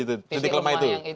titik lemah itu